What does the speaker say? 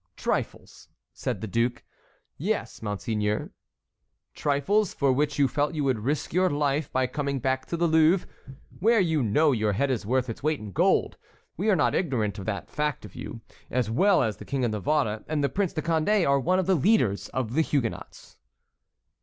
"Trifles?" said the duke. "Yes, monseigneur." "Trifles, for which you felt you would risk your life by coming back to the Louvre, where you know your head is worth its weight in gold. We are not ignorant of the fact that you, as well as the King of Navarre and the Prince de Condé, are one of the leaders of the Huguenots."